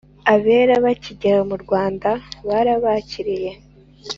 abera bakigera mu rwanda barabakiriye